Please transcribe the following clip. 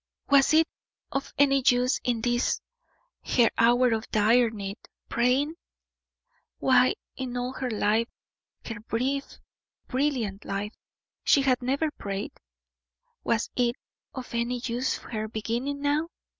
Was it of any use in this her hour of dire need, praying? Why, in all her life her brief, brilliant life she had never prayed; was it of any use her beginning now?